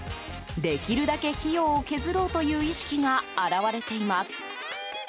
できるだけ費用を削ろうという意識が表れています。